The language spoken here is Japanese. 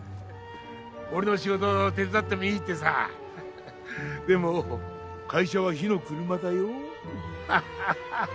俺の仕事を手伝ってもいいってでも会社は火の車だよハハハ